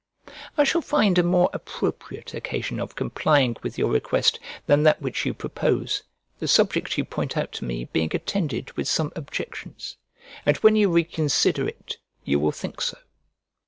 I shall find a more appropriate occasion of complying with your request than that which you propose, the subject you point out to me being attended with some objections; and when you reconsider it, you will think so.